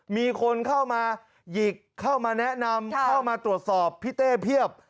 มีคนเข้ามาหยิกเข้ามาแนะนำเข้ามาตรวจสอบพี่เต้เพียบ